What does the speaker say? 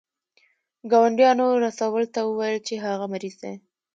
ګاونډیانو رسول ته وویل چې هغه مریض دی.